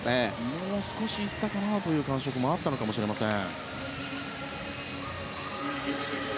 もう少しいったかなという感触もあったのかもしれません。